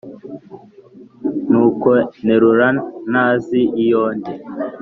Nuko nterura ntazi iyo ndi